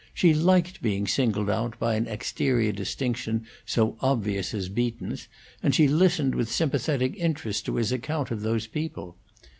She liked being singled out by an exterior distinction so obvious as Beaton's, and she listened with sympathetic interest to his account of those people.